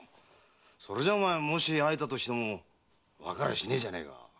それじゃお前もし会えたとしてもわかりゃしねえじゃねぇか。